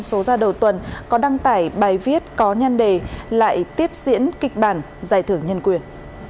số ra đầu tuần có đăng tải bài viết có nhăn đề lại tiếp diễn kịch bản giải thưởng nhân quyền